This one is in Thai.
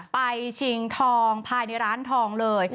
ชิงทองภายในร้านทองเลย